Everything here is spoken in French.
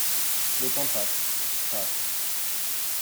Le temps passe, passe.